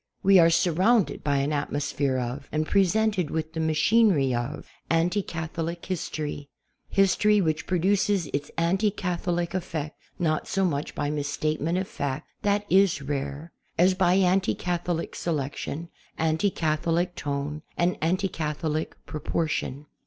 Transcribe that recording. We are surrounded by an atmosphere of, and pre sented with the machinery of, anti Catholic history; his tory which produces its anti Catholic effect not so much by misstatement of fact— that is rare— as by anti Catholic selection, anti Catholic tone, and anti Catholic proportion.